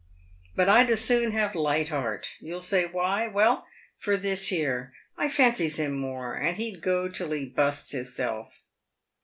But I'd as soon have Lightheart. You'll say why ? Well, for this here : I fancies him more, and he'd go till he bustes hisself."